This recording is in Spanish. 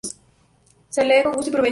Se lee con gusto y provecho.